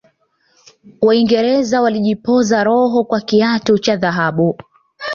waingereza walijipoza roho kwa kiatu cha dhahabu